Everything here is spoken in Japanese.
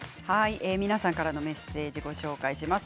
皆さんからのメッセージをご紹介します。